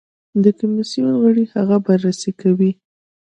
د کمېسیون غړي هغه بررسي کوي.